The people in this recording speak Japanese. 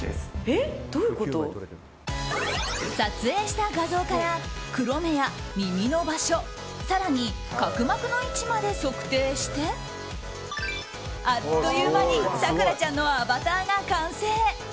撮影した画像から黒目や耳の場所更に角膜の位置まで測定してあっという間に咲楽ちゃんのアバターが完成。